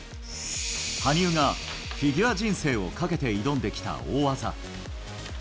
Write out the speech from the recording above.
羽生がフィギュア人生をかけて挑んできた大技。